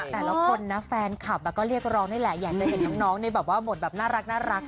แต่ละคนนะแฟนคลับก็เรียกร้องนี่แหละอยากจะเห็นน้องในแบบว่าบทแบบน่ารัก